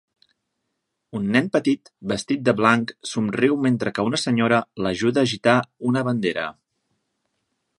Un nen petit vestit de blanc somriu mentre que una senyora l'ajuda a agitar una bandera.